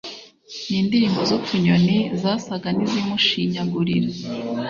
n’indirimbo z’utunyoni zasaga n’izimushinyagurira